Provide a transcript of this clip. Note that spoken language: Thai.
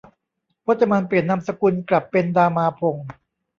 พจมานเปลี่ยนนามสกุลกลับเป็นดามาพงศ์